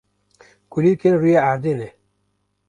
kulîlkên rûyê erde ne.